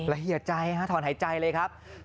ละเหี่ยใจถอนหายใจเลยครับ